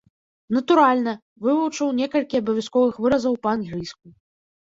Натуральна, вывучыў некалькі абавязковых выразаў па-англійску.